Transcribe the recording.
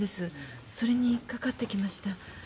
それに掛かってきました。